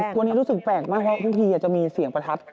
แต่ตัวนี้รู้สึกแปลกมากเพราะว่าพวกพี่อาจจะมีเสียงประทับ